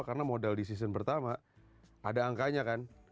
karena modal di season pertama ada angkanya kan